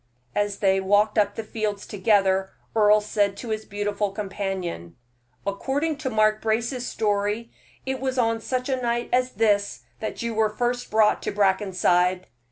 As they walked up the fields together, Earle said to his beautiful companion: "According to Mark Brace's story, it was on such a night as this that you were brought to Brackenside."